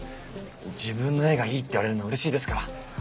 自分の絵がいいって言われるのうれしいですから。